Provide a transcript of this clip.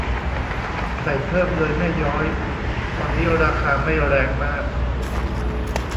ใส่เพิ่มเลยแม่ย้อย ตอนนี้ราคาไม่แรงมาก